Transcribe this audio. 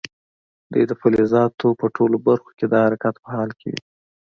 دوی د فلزاتو په ټولو برخو کې د حرکت په حال کې وي.